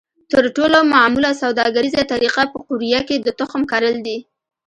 تر ټولو معموله سوداګریزه طریقه په قوریه کې د تخم کرل دي.